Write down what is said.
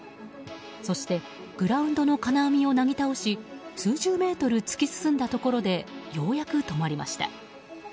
そしてグラウンドの金網をなぎ倒し数十メートル突き進んだところでようやく止まりました。